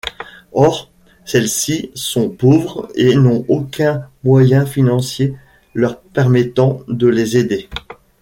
Or celles-ci sont pauvres et n'ont aucun moyen financier leur permettant de les aider.